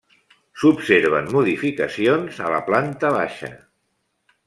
S'observen modificacions a la planta baixa.